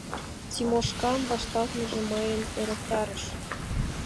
Тимошкан вашталтмыже мыйым ӧрыктарыш.